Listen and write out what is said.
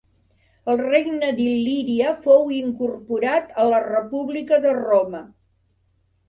El Regne d'Il·líria fou incorporat a la República de Roma.